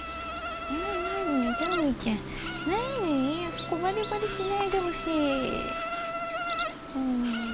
そこバリバリしないでほしい。